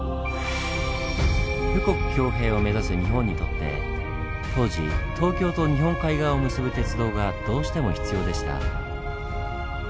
富国強兵を目指す日本にとって当時東京と日本海側を結ぶ鉄道がどうしても必要でした。